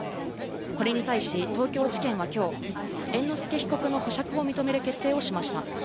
これに対し、東京地検はきょう、猿之助被告の保釈を認める決定をしました。